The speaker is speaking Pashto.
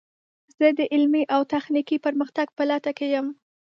زه د علمي او تخنیکي پرمختګ په لټه کې یم.